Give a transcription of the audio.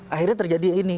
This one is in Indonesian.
akhirnya terjadi ini